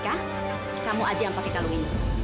nih tika kamu aja yang pakai kalung ini